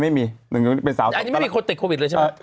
ไม่มีอันนี้ไม่มีคนติดโควิดเลยใช่ไหม